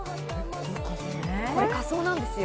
これ仮装なんですよ。